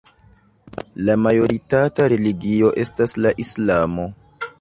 La majoritata religio estas la islamo.